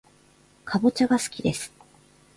かぼちゃがすきです